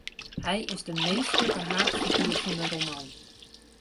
Hy is de minsklike haadfiguer fan de roman.